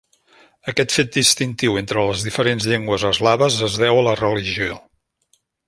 Aquest fet distintiu entre les diferents llengües eslaves es deu a la religió.